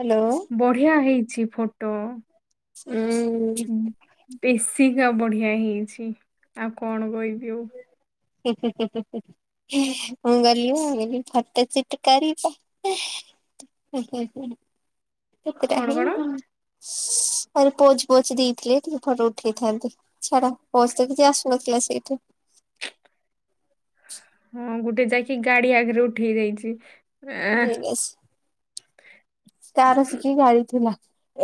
Hello ବଢ଼ିଆ ହେଇଛି photo ଉଁ ହୁଁ ହୁଁ ବେଶିକ୍ ଆଉ ବଢିଆ ହେଇଛି ଆଉ କଣ କହିବି ଆଉ ହେଁ ହେଁ ହେଁ ମୁଁ ଗଲି ମୁଁ କହିଲି ଫଟୋ ସୁଟ କରିବ [inaudible] [unintelligible] [inaudible] କଣ କଣ ଆଉ ପୋଜ ପୋଜ ଦେଇଥିଲେ ଟିକେ ଫୋଟ ଉଠେଇଥାନ୍ତି ଛାଡ଼ ବସ୍ ତ କିଛି ଆସୁନଥିଲା ସେଇଠୁ ହଁ ଗୋଟେ ଯାଇକି ଗାଡି ଆଗରେ ଉଠେଇ ଦେଇଛି। ଆଁ, [unintelligible] କାର ଶିକି ଗାଡିଥିଲା।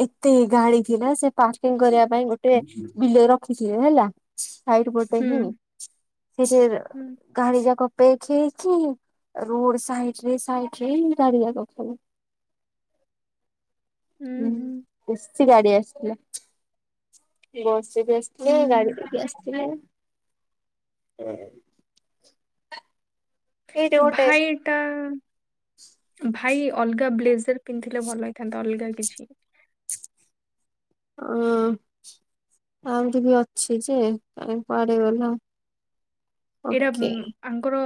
ଏତେ ଗାଡି ଥିଲା ସେ ପାର୍କିଂ କରିବା ପାଇଁ ଗୋଟେ ବିଲ ରଖିଥିଲେ ହେଲା। ସାଇଟ ପୋଟେ ହୁଁ ହି ସେଇଟା ର ହୁଁ ଗାଡି ଯାକ ପେଚ ହେଇକି ରୋଡ ସାଇଡ଼ରେ ରେ ସାଇଡ଼ରେ ରେ ଗାଡି ଯାକ ଖାଲି। ହୁଁ ବେଶି ଗାଡି ଆସିଥିଲା। ବସରେ ବି ଆସିଥିଲେ ଗାଡିରେ ବି ଆସିଥିଲେ ଏଇଠି ଗୋଟେ ଭାଇ ଟା ଭାଇ ଅଲଗା ବ୍ଲେଜର୍ ପିନ୍ଧିଥିଲେ ଭଲ ହେଇଥାନ୍ତା ଅଲଗା କିଛି। ଅ ଆହୁରି ବି ଅଛି ଯେ କାଇଁ କୁଆଡ଼େ ଗଲା। ଏଇଟା ଓକେ ଆଙ୍କର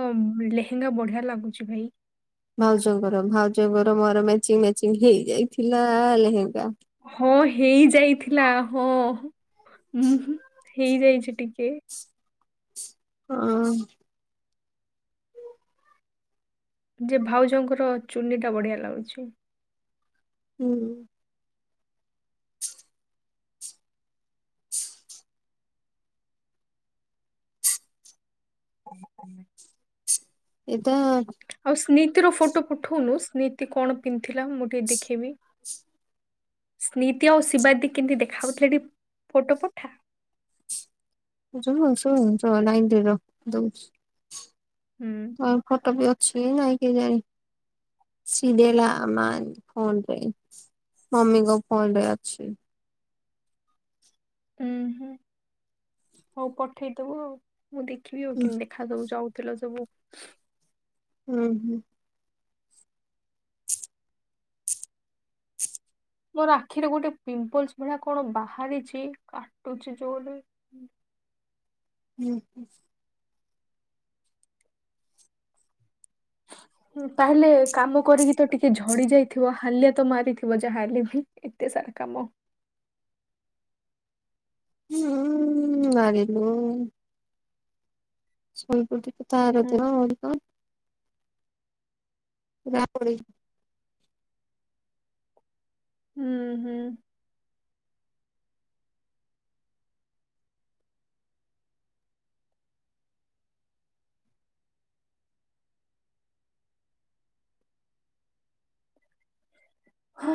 ଲେହେଙ୍ଗା ବଢ଼ିଆ ଲାଗୁଛି ଭାଇ। ଭାଉଜଙ୍କର ଭାଉଜଙ୍କର ମୋର ମ୍ୟାଚିଂ ମ୍ୟାଚିଂ ହେଇଯାଇଥିଲା ଲେହେଙ୍ଗା। ହଁ ହେଇ ଯାଇଥିଲା ହଁ ହେଇଯାଇଛି ଟିକେ। ଅ ଯେ ଭାଉଜଙ୍କର ଚୁନି ଟା ବଢ଼ିଆ ଲାଗୁଛି। ହୁଁ। ହଁ ହଁ [unintelligible] ଏଇ ତ ଆଉ ସ୍ମୀତିର ଫଟୋ ପଠଉନୁ ସ୍ମୀତି କଣ ପିନ୍ଧିଥିଲା ମୁଁ ଟିକେ ଦେଖିବି। ସ୍ନୀତି ଆଉ ଶିବାଦୀ କେମିତି ଦେଖା ହାଉଥିଲେ ଫୋଟୋ ପଠା। [unintelligible] ଲାଇନର ଦଉଛି [unintelligible] ହୁଁ। କଁ ଫଟୋ ବି ଅଛି ନାଇଁ କେଜାଣି। ସିଡ଼େଲା ମା ଫୋନ ପାଇଁ ମମିଙ୍କ ଫୋନରେ ଅଛି। ଉୁଁ ହୁଁ ହଉ ପଠେଇଦବୁ ଆଉ ମୁଁ ଦେଖିବି ଆଉ ହୁଁ କେମିତି ଖା ଯୋଉ ଯାଉଥିଲ ସବୁ। ହୁଁ ହୁଁ। ମୋର ଆଖିରେ ଗୋଟେ ପିମ୍ପଲ୍ସ ଭଳିଆ କଣ ବାହାରିଛି କାଟୁଛି ଯୋରେ। ହୁଁ ହୁ। [inaudible] ତାହେଲେ କାମ କରିକି ତ ଟିକେ ଝଡ଼ି ଯାଇଥିବ ହାଲିଆ ତ ମାରିଥିବ ଯାହା ହେଲେବି। ଏତେ ସାରା କାମ। ହୁଁ ଲଗିଲୁ [unintelligible] ଉଁ ହୁଁ। [unintelligible] ରାବଳି ହୁଁ ହୁଁ। ହା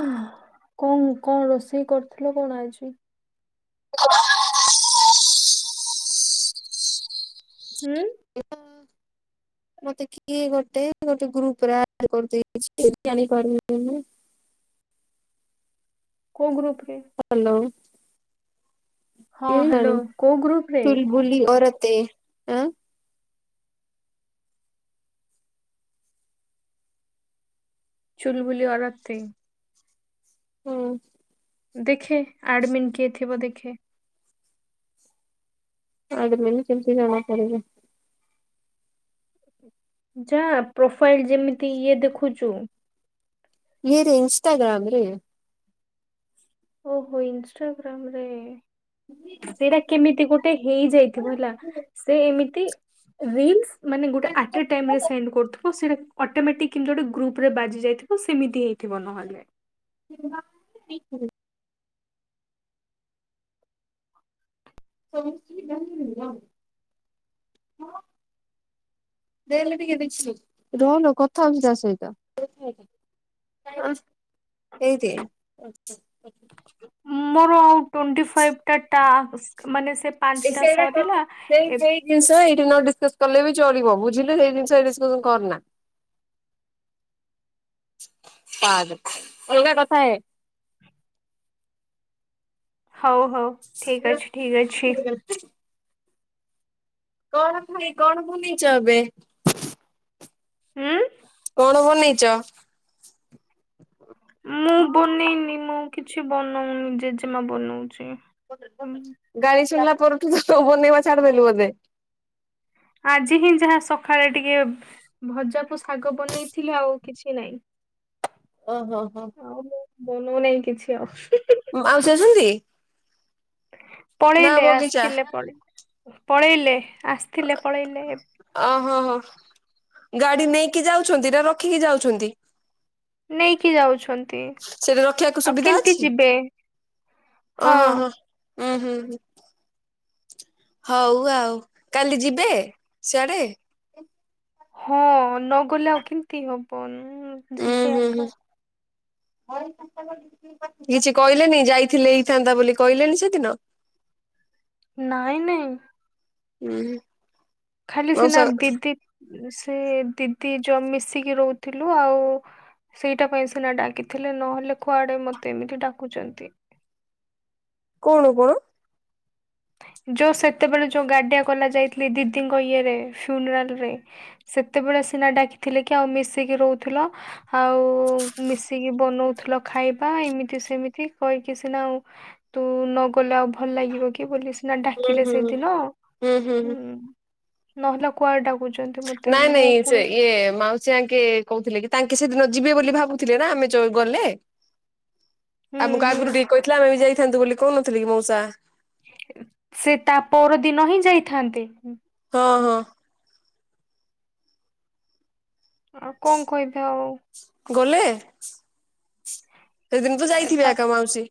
କଣ କଣ ରୋଷେଇ କରିଥିଲ କଣ ଆଜି? ହ [unintelligible] ହୁଁ। [unintelligible] ମତେ କିଏ ଗୋଟେ ଗୋଟେ ଗ୍ରୁପରେ ଆଡ଼୍ କରିଦେଇଛି [unintelligible] କୋଉ ଗ୍ରୁପ ରେ? ହ୍ୟାଲୋ। କେୟାଣି ଚୁଲବୁଲି ଅରତେ ଆଁ ଚୁଲବୁଲି ଅରତେ। ହଁ। ଦେଖେ ଆଡ଼ମିନ୍ କିଏ ଥିବ ଦେଖେ। ଆଡ଼ମିନ୍ କେମିତି ଜଣାପଡ଼ିବ? ଯା ପ୍ରୋଫାଇଲ୍ ଯେମିତି ଇଏ ଦେଖୁଚୁ ଇଏରେ ଇନ୍ଷ୍ଟାଗ୍ରାମ୍ ରେ? ଓହୋ ଇନ୍ଷ୍ଟାଗ୍ରାମ୍ ରେ। ସେଟା କେମିତି ଗୋଟେ ହେଇଯାଇଥିବ ହେଲା ସେ ଏମିତି ରିଲ୍ସ ମାନେ ଗୋଟେ ଆଟେ ଟାଇମ୍ ରେ ସେଣ୍ଡ୍ କରୁଥୁ ସେଇଟା ଅଟୋମେଟିକ୍ କେମ୍ତି ଗୋଟେ ଗ୍ରୁପ ରେ ବାଜି ଯାଇଥିବ ସେମିତି ହେଇଥିବ ନହେଲେ। [unintelligible] [unintelligible] ରହଲୋ କଥା ହଉଛି ତା ସହିତ। ଦେଇଦେ। ମୋର ଆଉ ଟୋଣ୍ଟି ଫାଇଭ୍ ଟା ଟାସ୍କ ମାନେ ସେ ଏ ପାଞ୍ଚଟା ସେଇଟା କଥା ସରିଲା ସେଇ ଏବ୍ ସେଇ ଜିନିଷ ଏଇଠି ନ ଡିସକସ କଲେ ବି ଚଳିବ। ବୁଝିଲୁ ସେଇ ଜିନିଷ ଏଇ ଡିସ୍କସନ କରନା। ପା ଅଲଗା କଥା ହ ହଉ ହଉ ଠିକ ଅଛି ଠିକ୍ ଅଛି। [inaudible] କଣ ଖାଇ କଣ ବନେଇଛ ଏବେ? ଉଁ। କଣ ବନେଇଛ? ମୁଁ ବନେଇନି ମୁଁ କିଛି ବନଉନି ଜେଜେମା ବନଉଛି। ଗାଳି ଶୁଣିଲା ପରଠୁ ବନେଇବା ଛାଡିଦେଲୁ ବୋଧେ। ଆଜି ହିଁ ଯାହା ସକାଳେ ଟିକେ ଭଜାକୁୁ ଶାଗ ବନେଇଥିଲି ଆଉ କିଛି ନାହିଁ। ଓ ହୋ ହୋ। ଆଉ ମୁଁ ବନଉନାହିଁ କିଛି ଆଉ। ମାଉସି ଅଛନ୍ତୀ? ପଳେଇଲେ ବଗିଚା ଆସିଥିଲେ ପେଇ ପଳେଇଲେ ଆସିଥିଲେ ପଳେଇଲେ। ଓହୋହୋ ଗାଡି ନେଇକି ଯାଉଛନ୍ତି ନା ରଖିକି ଯାଉଛନ୍ତି? ନେଇକି ଯାଉଛନ୍ତି ସେଠି ରଖିବାକୁ ଆଉ ସୁବିଧା କେମିତି ଅଛି ଯିବେ ହଁ। ହୁଁ ହୁଁ ହଁ। ହଉ ଆଉ କାଲି ଯିବେ ସିଆଡେ। ହଁ ନଗଲେ ଆଉ କେମିତି ହବନ। ଉଁ ହୁଁ ହୁଁ। କିଛି କହିଲେନି ଯାଇଥିଲେ ହେଇଥାନ୍ତା ବୋଲି କହିଲେନି ସେଦିନ। ନାଇଁ ନାଇଁ। ହୁଁ। ଖାଲି ସିନା ମଉସା ଦିଦି ସେ ଦିଦି ଯ ମିଶିକି ରହୁଥିଲୁ ଆଉ ସେଇଟା ପାଇଁ ସିନା ଡାକିଥିଲେ ନହେଲେ କୁଆଡ଼େ ମୋତେ ଏମିତି ଡାକୁଛନ୍ତି। କଣ କଣ? ଯୋଉ ସେତେବେଳେ ଯୋଉ ଗାଡିଆ କଲା ଯାଇଥିଲି ଦିଦିଙ୍କ ଇଏରେ ଫ୍ୟୁନରାଲରେ। ସେତେବେଳେ ସିନା ଡାକିଥିଲେ କି ଆଉ ମିଶିକି ରହୁଥିଲ। ଆଉ ମିଶିକି ବନଉଥିଲ ଖାଇବା ଏମିତି ସେମିତି କହିକି ସିନା ଆଉ ତୁ ନ ଗଲେ ଆଉ ଭଲ ଲାଗିବ କି ବୋଲି ସେ। ହୁଁ ଡାକିଲେ ହୁଁ ସେଦିନ ହୁଁ ନହେଲେ କୁଆଡେ ଡାକୁଛୁ। ନାଇଁ ନାଇଁ ସେ ଇଏ ମାଉସୀ ଆଙ୍କେ କହୁଥିଲେ କି ତାଙ୍କେ ସେଦିନ ଯିବେ ବୋଲି ଭାବୁଥିଲେ ନା ଆମେ ଯୋଉ ଗଲେ ହୁଁ ଆମକୁ ହୁଁ। ଆଗରୁ ଟିକେ କହିଥିଲା ଆମେ ବି ଯାଇଥାନ୍ତୁ ବୋଲି କହୁନଥିଲେ କି ମଉସା। ସେ ତା ପର ଦିନ ହିଁ ଯାଇଥାନ୍ତି। ହଁ ହଁ। ଆଉ କଣ କହିବା ଆଉ। ଗଲେ ସେଦିନ ତ ଯାଇଥିବେ ତା ଏକା ମାଉସୀ।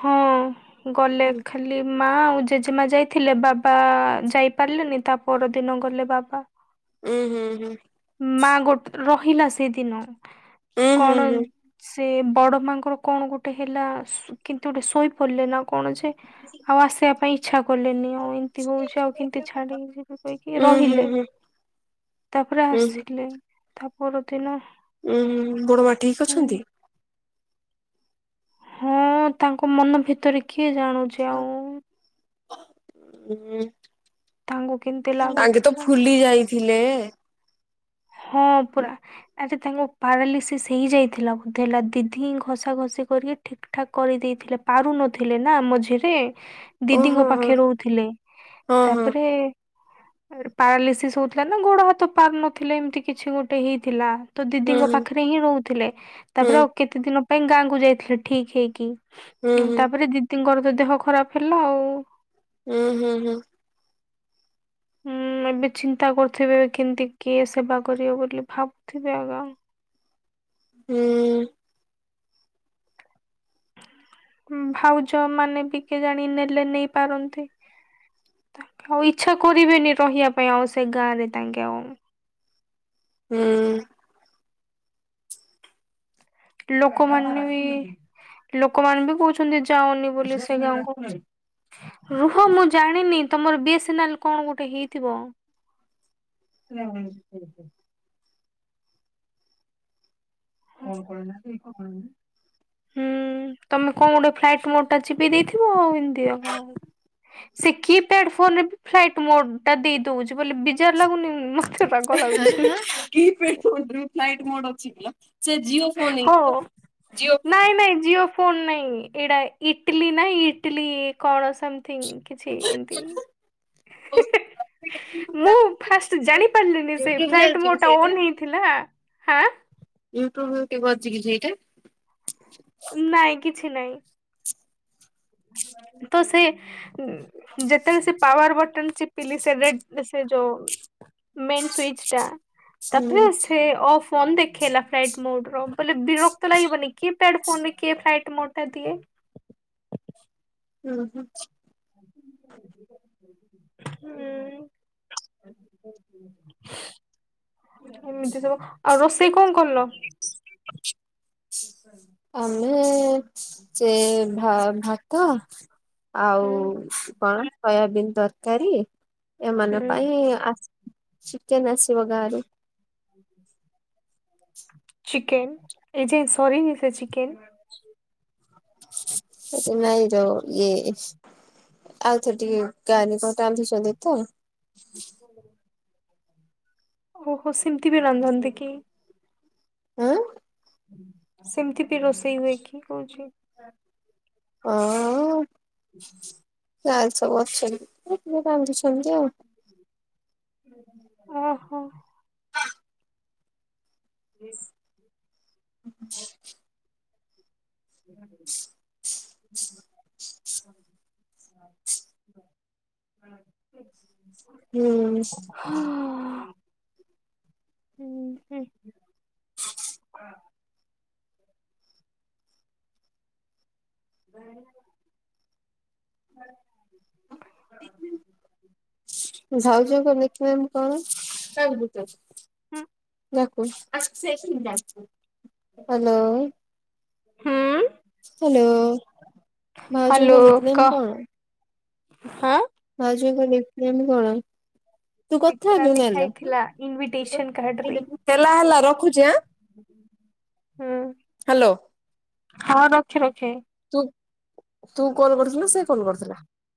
ହଁ ଗଲେଖ ଖାଲି ମା ଆଉ ଜେଜେମା ଯାଇଥିଲେ ବାବା ଯାଇପାରିଲେନି ତା ପରଦିନ ଗଲେ ବାବା। ଉୁଁ ହୁଁ ହୁଁ। ମା ଗୋଟେ ରହିଲା ସେଦିନ ଉଁ ହୁଁ କଣ ହୁଁ। ସେ ବଡ ମାଙ୍କର କଣ ଗୋଟେ ହେଲା କିମତି ଗୋଟେ ଶୋଇ ପଡ଼ିଲେ ନା। କଣଛ ଆଉ ଆସିବା ପାଇଁ ଇଚ୍ଛା କଲେନି ଆଉ ଏମିତି ହଉଛି ଆଉ କେମିତି ଛାଡିକି ସେ କହିକି ଉଁ ହୁଁ ରହିଲେ। ହୁଁ ପ୍ରା ଉଁ ହୁଁ ଆସିଲେ ତା ପରଦିନ। ଉଁ ବଡ ମା ଠିକ ଅଛନ୍ତି? ହଁ ତାଙ୍କ ମନ ଭିତରେ କିଏଜାଣ ତାଙ୍କୁ କେମିତି [unintelligible] ଆଗେତ ଲାଗୁଥିବ। ଫୁଲି ଯାଇଥିଲେ। ହଁ ପରା ଆଚ୍ଛା ତାଙ୍କ ପାରାଲିସିସ୍ ହେଇ ଯାଇଥିଲା ବୋଧେ ହେଲା ଦିଦିହିଁ ଘଷା ଘଷି କରିକି ଠିକ୍ ଠାକ୍ କରିଦେଇଥିଲେ ପାରୁ ନଥିଲେନା ମଝିରେ। ଓହୋ ଦିଦିଙ୍କ ହୋ ପାଖେ ରହୁଥିଲେ ହଁ ହଁ ତାପରେ ପାରାଲିସିସ୍ ହଉଥିଲାନା ଗୋଡ଼ ହାତ ପାରୁନଥିଲେ ଏମିତି କିଛି ଗୋଟେ ହେଇଥିଲା। ତ ଦିଦିଙ୍କ ହୁଁ ପାଖରେ ହିଁ ରହୁଥିଲେ ହୁଁ ତାପରେ ଆଉ କେତେ ଦିନ ପାଇଁ ଗାଁକୁ ଯାଇଥିଲେ ଠିକ୍ ହେଇକି। ହୁଁ ହୁଁ ହୁଁ ତାପରେ ଦିଦିଙ୍କରତ ଦେହ ଖରାପ୍ ହେଲା ଆଉ। ହୁଁ ହୁଁ ହୁଁ। ହୁଁ ଏବେ ଚିନ୍ତା କରୁଥିବେ କେମିତି କିଏ ସେବା କରିବ ବୋଲି ଭାବୁଥିବେ ଆକା। ହୁଁ। ଭାଉଜ ମାନେବି କେଜାଣି ନେଲେ ନେଇ ପାରନ୍ତି। ତାଙ୍କେ ଆଉ ଇଚ୍ଛା କରିବେନି ରହିବା ପାଇଁ ଆଉସେ ଗାଁରେ ତାଙ୍କେ ଆଉ। ହୁଁ। ଲୋକମାନେବି ଲୋକମାନେବି କହୁଛନ୍ତି ଯାଉନି ବୋଲି ସେ ଗାଁକୁ କହୁଛି। ରୁହ ମୁଁ ଜାଣିନି ତମର ବିଏସ୍ ନାଲ୍ କଣ ଗୋଟେ ହେଇଥିବ। [unintelligible] [unintelligible] ହୁଁ ତମେ କଣ ଗୋଟେ ଫ୍ଲାଇଟ୍ ମୋରଟା ଚିପି ଦେଇଥିବ ଆଉ ଏତି [unintelligible] ସେକିପ୍ୟାଡ଼ ଫୋନରେବି ଫ୍ଲାଇଟ୍ ମୋଡ଼ଟା ଦେଇଦଉଚି ବୋଲି ବିଜାର ଲାଗୁନି ମତେ ରାଗ ଲାଗୁଛି। [unintelligible] କି ପେଡ଼ ଫୋନ୍ ରେ [unintelligible] ଫ୍ଲାଇଟ୍ ମୋଡ୍ ଅଛି କିଲୋ ସେ ଜିଓ ଫୋନ ହ ହେଇଥିବ ଜିଓ ଫୋନ। ନାଇଁ ନାଇଁ ଜିଓ ଫୋନ୍ ନାଇଁ ଏଇଟା ଇଟିଲିନା ଇଟିଲି କଣ ସେମ୍ ଥିଙ୍ଗ୍ କିଛି ଏମତି [inaudible] ମୁଁ ଫାଷ୍ଟ ଜାଣି ପାରିଲିନି ସେ ଫ୍ଲାଇଟ ଚାଲିଛି କି ମୋଡ୍ ଟା ସେଇଟା ଅନ୍ ହେଇଥିଲା ଆଁ। ୟୁଟ୍ୟୁବରେ [unintelligible] ସେଇଟା। ନାଇଁ କିଛି ନାଇଁ। ତ ସେ ଯେତେବେଳେ ସେପାୱାର ବଟନ୍ ଚିପି ପିଲି ସେରେ ସେଯୋଉ ମେନ୍ ସୁୟିଜଟା ହୁଁ ତାପରେ ସେ ଅଫ୍ ଫୋନ୍ ଦେଖେଇଲା ଫ୍ଲାଇଟ୍ ମୋଡ୍ ର ବଲେ ବିରକ୍ତ ଲାଗିବନି କିଏ ପ୍ୟାଡ଼ କିଏ ଫ୍ଲାଇଟ୍ ମୋଡ୍ ଟା ଦିଏ। ଉଁ ହୁଁ। ହୁଁ [inaudible] ଏମିତି ସବୁ ଆଉ ରୋଷେଇ କଣ କଲ? ଆମେ ଚେ ଭା ଭା ତ ଆଉ ହୁଁ କଣ ସୋୟାବିିନ୍ ତରକାରୀ। ଏମାନ ହୁଁ ପାଇଁ ଆ ଚିକେନ୍ ଆସିବ ଗାଁରୁ। [inaudible] ଚିକେନ୍ ଏଯାଏ ସରିନି ସେଚିକେନ୍। ଆରେ ନାଇଁ ଯୋ ଇଏ ଆଉଥରେ ଟିକେ [unintelligible] ଟାନ୍ଧୁଛନ୍ତି ତ। [inaudible] ଓହୋ ସେମିତିବି ରନ୍ଧନନ୍ତିକି। ଆଁ। ସେମିତିବି ରୋଷେଇ ହୁଏକି କହୁଚି। ହଁ ଯାଲେ ସବୁ ଅଛନ୍ତି ଏରା କିଏ କାନ୍ଧୁଛନ୍ତିତ ଆଉ। ଓହୋ। ଏ [unintelligible] [inaudible] ହ ହଁ ହ ହୁଁ ହୋ ହୁଁ ହୁଁ [unintelligible] ଭାଉଜ କି ଦେଖିବାକୁ କଣ କାହାକୁ ପଚାରୁଚୁ ୟା ଆ ସେ ଯ ହ୍ୟାଲୋ ହ୍ୟାଲୋ ହ୍ୟାଲୋ ଭାଉଜଙ୍କ ନିକ୍ ନେମ୍ କହ କଣ? ହଁ ଭାଉଯ ଙ୍କ ନିକ୍ ନେମ୍ କଣ? ତୁ କଥା ସିପ୍ରା ହେଲୁନି ଲେଖା ଆଲୋ। ହେଇଥିଲା ଇନଭିଟେସନ କାର୍ଡ ରେ ହେଲା ହେଲା ରଖୁଛି ଆଁ ହୁଁ ହାଲୋ ହ ରଖେ ରଖେ ତୁ ତୁ କଲ୍ କରିୁଥିଲ ସେ କଲ୍ କରିଥିଲା